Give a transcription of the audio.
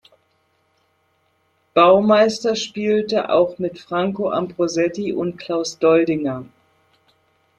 Baumeister spielte auch mit Franco Ambrosetti und mit Klaus Doldinger.